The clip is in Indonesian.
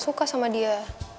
suka sama dia